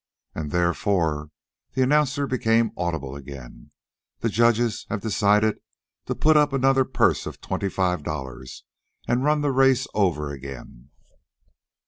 "An' therefore," the announcer became audible again, "the judges have decided to put up another purse of twenty five dollars an' run the race over again!"